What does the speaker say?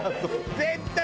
絶対。